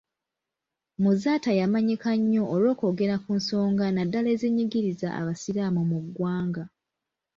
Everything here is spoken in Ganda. Muzaata yamanyika nnyo olw'okwogera ku nsonga naddala ezinyigiriza abasiraamu mu ggwanga.